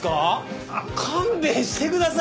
勘弁してくださいよ。